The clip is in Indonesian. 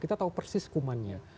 kita tahu persis kumannya